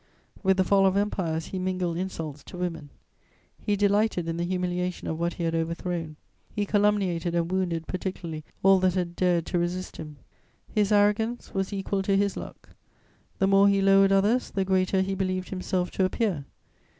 With the fall of empires he mingled insults to women; he delighted in the humiliation of what he had overthrown; he calumniated and wounded particularly all that had dared to resist him. His arrogance was equal to his luck; the more he lowered others the greater he believed himself to appear.